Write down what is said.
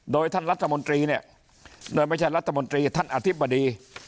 โดยท่านรัฐมนตรีเนี่ยโดยไม่ใช่รัฐมนตรีท่านอธิบดี